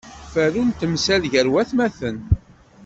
Ferru n temsal gar watmaten.